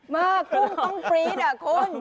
มากกุ้งต้องปรี๊ดอ่ะคุณ